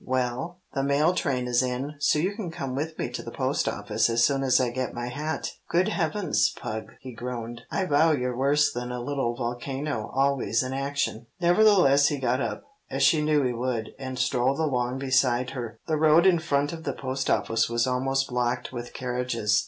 Well, the mail train is in, so you can come with me to the post office as soon as I get my hat." "Good heavens, Pug!" he groaned. "I vow you're worse than a little volcano always in action." Nevertheless he got up, as she knew he would, and strolled along beside her. The road in front of the post office was almost blocked with carriages.